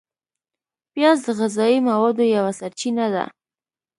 پیاز د غذایي موادو یوه سرچینه ده